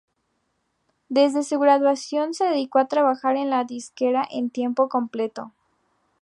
Desde su graduación, se dedicó a trabajar en la disquera en tiempo completo.